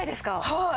はい。